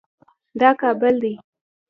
دا کابل دی